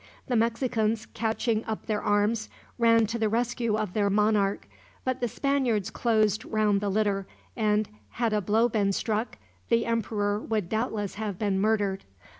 The Mexicans, catching up their arms, ran to the rescue of their monarch; but the Spaniards closed round the litter and, had a blow been struck, the emperor would doubtless have been murdered.